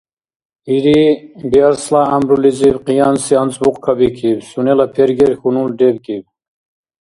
Ириъ Биарсла гӀямрулизиб къиянси анцӀбукь кабикиб — сунела пергер хьунул ребкӀиб.